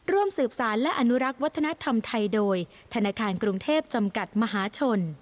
ร่วมสืบสารและอนุรักษ์วัฒนธรรมไทยโดยธนาคารกรุงเทพจำกัดมหาชน